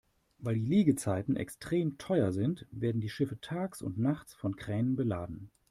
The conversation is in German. Weil die Liegezeiten extrem teuer sind, werden die Schiffe tags und nachts von Kränen beladen.